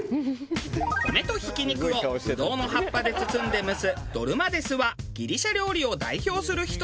米とひき肉をぶどうの葉っぱで包んで蒸すドルマデスはギリシャ料理を代表するひと品。